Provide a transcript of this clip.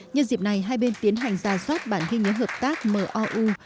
nhân dịp này hai bên tiến hành ra giót bản hình nhớ hợp tác mou